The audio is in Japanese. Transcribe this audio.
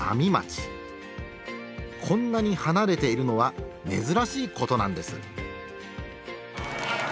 こんなに離れているのは珍しいことなんです。